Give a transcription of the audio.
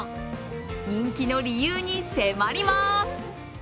人気の理由に迫ります。